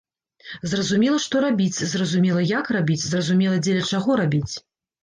Зразумела што рабіць, зразумела як рабіць, зразумела дзеля чаго рабіць.